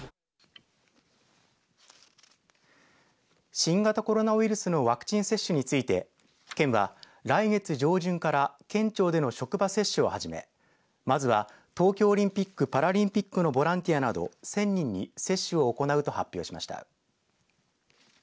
新型コロナウイルスのワクチン接種について県は来月上旬から県庁での職場接種を始めまずは東京オリンピック・パラリンピックのボランティアなど１０００人に接種を行うと発表しました。